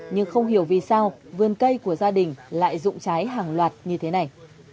nhưng không hiểu vì sao vườn cây của gia đình lại dụng trái hàng loạt như thế này